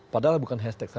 padahal bukan hashtag saja